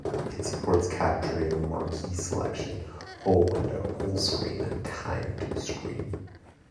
It supports capturing a marquee selection, whole window, whole screen, and timed screen.